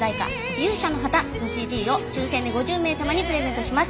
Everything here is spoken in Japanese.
『勇者の旗』のＣＤを抽選で５０名様にプレゼントします。